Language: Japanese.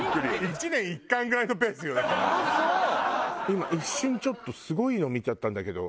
今一瞬ちょっとすごいの見ちゃったんだけど。